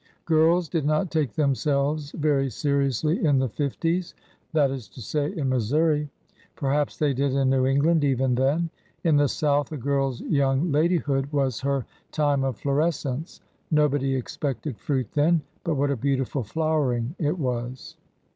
Girls did not take themselves very seriously in the fifties — that is to say, in Missouri. Perhaps they did in New Eng land even then. In the South, a girl's young ladyhood was her time of florescence. Nobody expected fruit then. But what a beautiful flowering it was